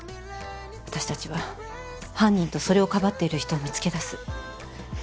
私たちは犯人とそれをかばっている人を見つけだす。